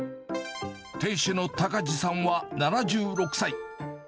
店主のたかじさんは、７６歳。